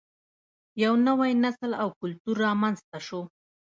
یو نوی نسل او کلتور رامینځته شو